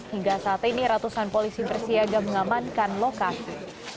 hingga saat ini ratusan polisi bersiaga mengamankan lokasi